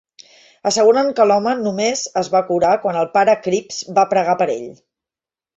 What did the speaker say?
Asseguren que l'home només es va curar quan el pare Cripps va pregar per ell.